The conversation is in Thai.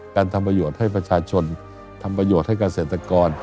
การทำประโยชน์ให้ประชาชนทำประโยชน์ให้เกษตรกร